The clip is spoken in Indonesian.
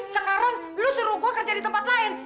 sekarang lo suruh gue kerja di tempat lain